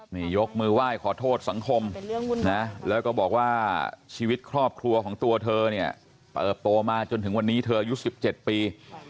นี่ยกมือไหว้ขอโทษสังคมนะแล้วก็บอกว่าชีวิตครอบครัวของตัวเธอเนี่ยเติบโตมาจนถึงวันนี้เธออายุ๑๗ปี